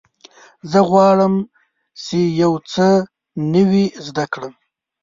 زه غواړم چې یو څه نوی زده کړم.